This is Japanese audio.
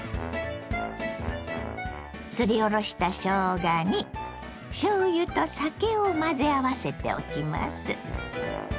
すりおろしたしょうがにしょうゆと酒を混ぜ合わせておきます。